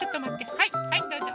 はいはいどうぞ。